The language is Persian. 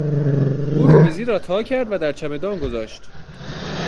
او رومیزی را تاکرد و در چمدان گذاشت.